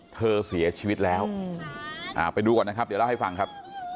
เสียชีวิตแล้วไปดูก่อนนะครับเดี๋ยวเล่าให้ฟังครับ